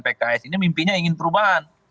pks ini mimpinya ingin perubahan